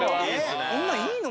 こんないいの？